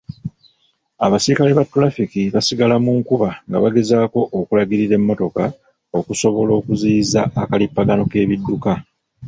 Abaserikale ba tulafiki basigala mu nkuba nga bagezaako okulagirira emmotoka okusobola okuziiyiza akalipagano k'ebidduka.